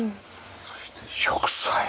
そして植栽。